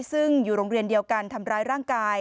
ซึ่งอยู่โรงเรียนเดียวกันทำร้ายร่างกาย